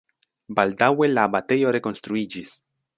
Baldaŭe la abatejo rekonstruiĝis.